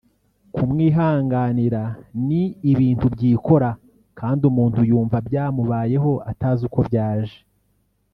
kumwihanganira ni ibintu byikora kandi umuntu yumva byamubayeho atazi uko byaje